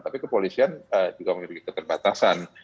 tapi kepolisian juga memiliki keterbatasan